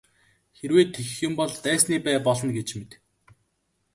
Хэрвээ тэгэх юм бол дайсны бай болно гэж мэд.